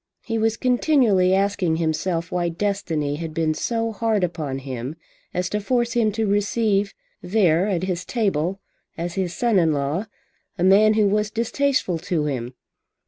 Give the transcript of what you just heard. He was continually asking himself why Destiny had been so hard upon him as to force him to receive there at his table as his son in law a man who was distasteful to him.